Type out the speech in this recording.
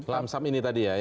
lamsam ini tadi ya